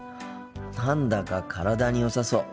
何だか体によさそう。